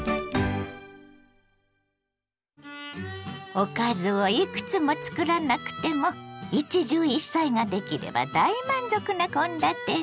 おかずをいくつもつくらなくても一汁一菜ができれば大満足な献立に。